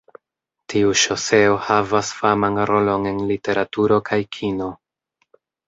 Tiu ŝoseo havas faman rolon en literaturo kaj kino.